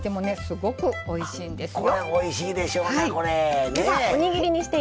これおいしいでしょうね。